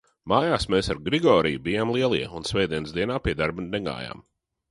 Mājās mēs ar Grigoriju bijām lielie un svētdienas dienā pie darba negājām.